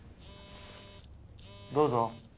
どうぞ。